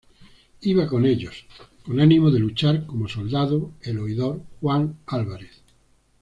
Iba con ellos, con ánimo de luchar como soldado, el oidor Juan Álvarez.